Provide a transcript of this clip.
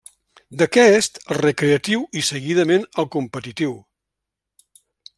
D'aquest, al recreatiu i seguidament, al competitiu.